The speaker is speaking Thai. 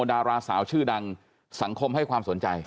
ดาราสาวชื่อดังสังคมให้ความสนใจ